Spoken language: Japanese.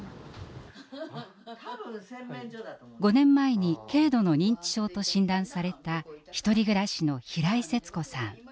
５年前に軽度の認知症と診断されたひとり暮らしの平井セツ子さん。